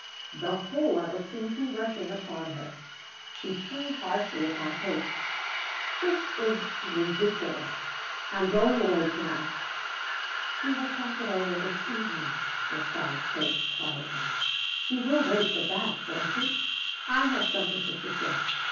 The whole of it seemed to rush in upon her. She turned harshly upon Katie. "This is ridiculous! I'm going away to night!" "We will talk it over this evening," replied Kate quietly. "You will wait for that, won't you? I have something to suggest.